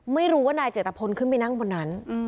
ไม่รู้ว่านายเจตพลขึ้นไปนั่งบนนั้น